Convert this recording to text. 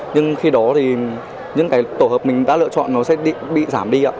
nhưng khi đó thì những cái tổ hợp mình đã lựa chọn nó sẽ bị giảm đi ạ